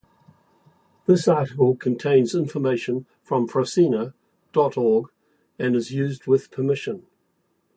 This article contains information from Frosina dot org and it is used with permission.